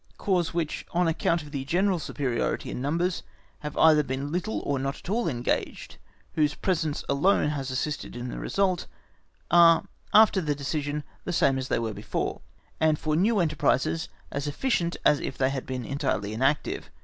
Corps which, on account of the general superiority in numbers, have either been little or not at all engaged, whose presence alone has assisted in the result, are after the decision the same as they were before, and for new enterprises as efficient as if they had been entirely inactive.